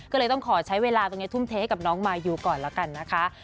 ก็เลยต้องขอใช้เวลาตรงนี้ทุ่มเทให้กับน้องมายูก่อนแล้วกันนะคะ